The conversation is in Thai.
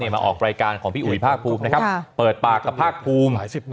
มาออกรายการของพี่อุ๋ยภาคภูมินะครับเปิดปากกับภาคภูมิ